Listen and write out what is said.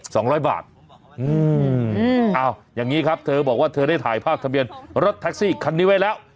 สองร้อยบาทอืมอ้าวอย่างนี้ครับเธอบอกว่าเธอได้ถ่ายภาพทะเบียนรถแท็กซี่คันนี้ไว้แล้ว